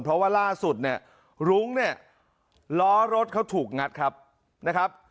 เพราะว่าล่าสุดเนี่ยรุ้งเนี่ยล้อรถเขาถูกงัดครับนะครับ